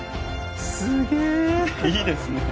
すげえいいですね